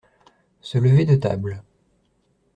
Se lever de table.